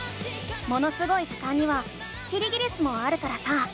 「ものすごい図鑑」にはキリギリスもあるからさ